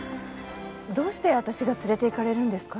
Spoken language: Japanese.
どうして私が連れていかれるんですか？